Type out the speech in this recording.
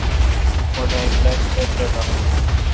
مٹھ ا گلاس وہ ترلہ۔